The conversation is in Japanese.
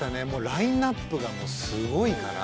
ラインナップがもうすごいから。